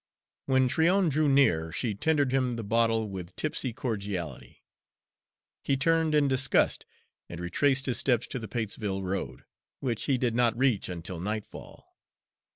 When Tryon drew near, she tendered him the bottle with tipsy cordiality. He turned in disgust and retraced his steps to the Patesville road, which he did not reach until nightfall.